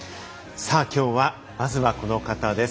さあ、きょうはまずはこの方です。